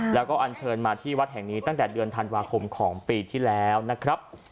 แล้วก็อันเชิญมาที่วัดแห่งนี้ตั้งแต่เดือนธันวาคมของปีที่แล้วนะครับ